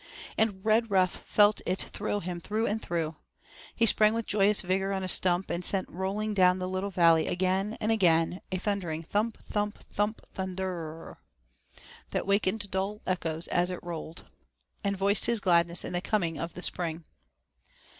And Redruff felt it thrill him through and through. He sprang with joyous vigor on a stump and sent rolling down the little valley, again and again, a thundering 'Thump, thump, thump, thunderrrrrrrrr,' that wakened dull echoes as it rolled, and voiced his gladness in the coming of the spring.